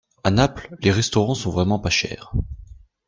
à Naples les restaurants sont vraiment pas chers.